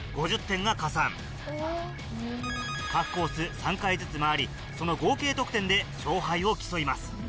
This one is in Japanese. ３回ずつ回りその合計得点で勝敗を競います。